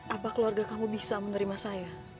apa keluarga kamu bisa menerima saya